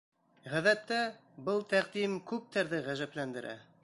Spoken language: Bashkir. Ғәҙәттә, был тәҡдим күптәрҙе ғәжәпләндерә.